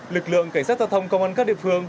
lực lượng cảnh sát giao thông công an các địa phương